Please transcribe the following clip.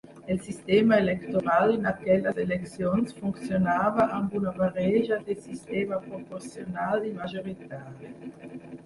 El sistema electoral en aquelles eleccions funcionava amb una barreja de sistema proporcional i majoritari.